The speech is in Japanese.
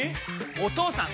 お義父さん！